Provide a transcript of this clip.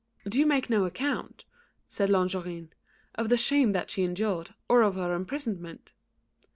"Do you make no account," said Longarine, "of the shame that she endured, or of her imprisonment?"